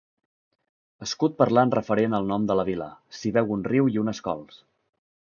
Escut parlant referent al nom de la vila: s'hi veu un riu i unes cols.